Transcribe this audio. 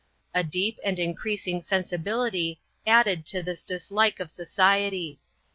A deep and increasing sensibility added to this dislike of society.